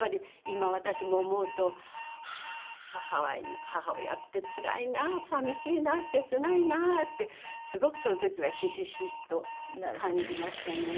今私も思うとはあー母親ってつらいな寂しいな切ないなってすごくその時はひしひしと感じましたね。